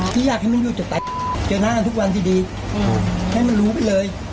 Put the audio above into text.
ปากกับภูมิปากกับภูมิ